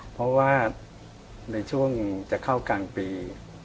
เพราะว่าในช่วงจะเข้ากลางปี